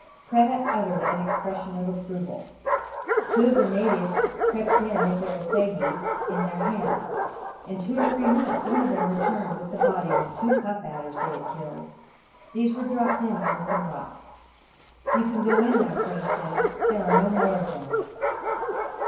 Kreta uttered an expression of approval. Two of the natives crept in with their assegais in their hands. In two or three minutes one of them returned with the bodies of two puff adders they had killed. These were dropped in among some rocks. "You can go in now," Kreta said. "There are no more of them."